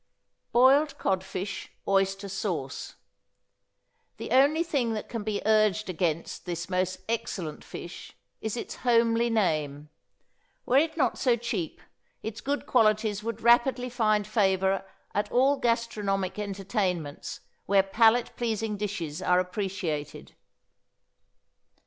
=Boiled Codfish, Oyster Sauce.= The only thing that can be urged against this most excellent fish is its homely name. Were it not so cheap, its good qualities would rapidly find favor at all gastronomic entertainments where palate pleasing dishes are appreciated.